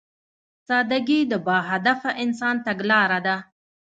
سادهګي د باهدفه انسان تګلاره ده.